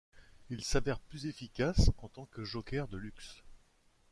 Il s'avère plus efficace en tant que joker de luxe.